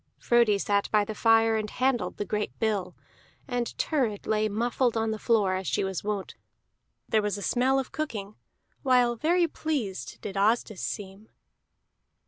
Frodi sat by the fire and handled the great bill, and Thurid lay muffled on the floor as she was wont; there was a smell of cooking, while very pleased did Asdis seem.